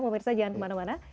pak mirsa jangan kemana mana